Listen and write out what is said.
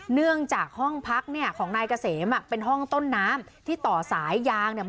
เนื่องจากห้องพักเนี่ยของนายเกษมเป็นห้องต้นน้ำที่ต่อสายยางเนี่ย